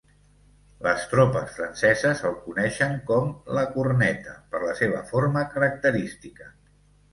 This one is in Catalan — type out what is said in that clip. Les tropes franceses el coneixen com "la corneta", per la seva forma característica.